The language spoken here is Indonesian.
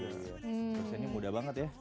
dosennya muda banget ya